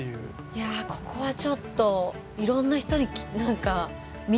いやここはちょっといろんな人に何か見てほしい。